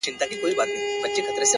له مودو وروسته يې کرم او خرابات وکړ،